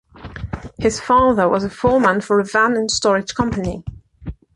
His father was a foreman for a van and storage company.